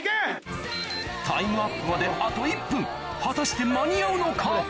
タイムアップまで果たして間に合うのか？